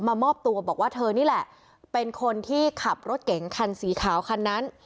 มามอบตัวบอกว่าเธอนี่แหละเป็นคนที่ขับรถเก๋งคันสีขาวคันนั้น